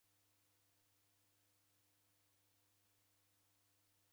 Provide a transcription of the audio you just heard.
Kokana mano malacha nandighi.